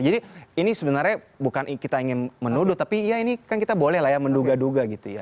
jadi ini sebenarnya bukan kita ingin menuduh tapi ya ini kan kita boleh lah ya menduga duga gitu ya